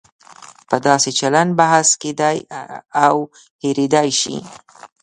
په داسې چلن بحث کېدای او هېریدای شي.